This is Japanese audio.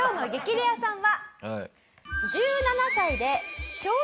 レアさんは。